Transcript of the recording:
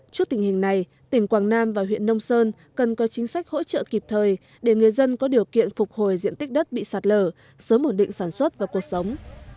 trước tình hình này tỉnh quảng nam và huyện nông sơn cần có chính sách hỗ trợ kịp thời để người dân có điều kiện phục hồi diện tích đất bị sạt lở sớm ổn định sản xuất và cuộc sống